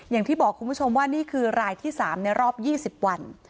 อย่างที่บอกคุณผู้ชมว่านี่คือรายที่๓ในรอบ๒๐วัน